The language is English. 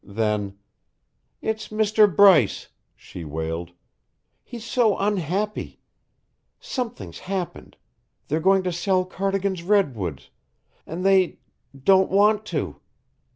Then, "It's Mr. Bryce," she wailed. "He's so unhappy. Something's happened; they're going to sell Cardigan's Redwoods; and they don't want to.